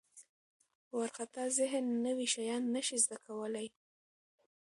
وارخطا ذهن نوي شیان نه شي زده کولی.